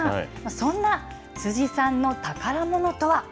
そんな辻さんの宝ものとは。